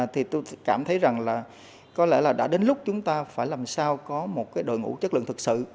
thì tôi cảm thấy rằng là có lẽ là đã đến lúc chúng ta phải làm sao có một cái đội ngũ chất lượng thực sự